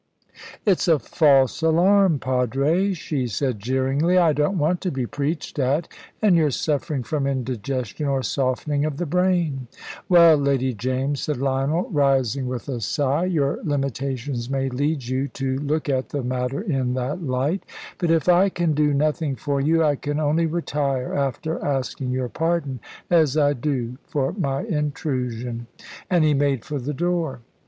"It's a false alarm, padre," she said jeeringly. "I don't want to be preached at, and you're suffering from indigestion, or softening of the brain." "Well, Lady James," said Lionel, rising with a sigh, "your limitations may lead you to look at the matter in that light. But if I can do nothing for you, I can only retire, after asking your pardon as I do for my intrusion"; and he made for the door.